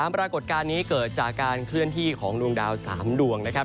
ปรากฏการณ์นี้เกิดจากการเคลื่อนที่ของดวงดาว๓ดวงนะครับ